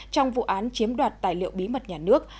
trong vụ án chiếm đoạt tài liệu bí mật nhà nước